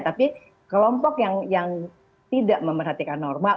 tapi kelompok yang tidak memerhatikan norma